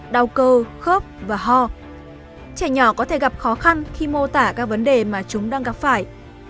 đau cơ khớp và ho trẻ nhỏ có thể gặp khó khăn khi mô tả các vấn đề mà chúng đang gặp phải